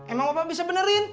emang bapak bisa benerin